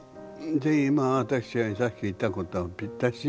で今私がさっき言ったことはぴったし？